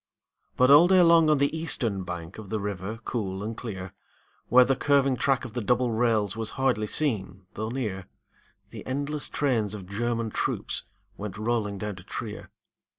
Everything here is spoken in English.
But all day long on the eastern bank Of the river cool and clear, Where the curving track of the double rails Was hardly seen though near, The endless trains of German troops Went rolling down to Trier.